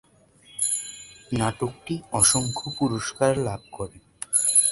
নাটকটি অসংখ্য পুরস্কার লাভ করে।